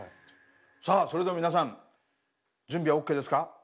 さあそれでは皆さん準備はＯＫですか？